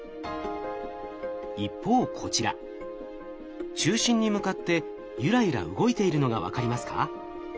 一方こちら中心に向かってゆらゆら動いているのが分かりますか？